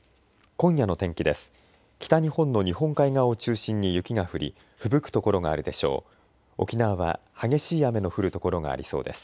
今夜の天気です。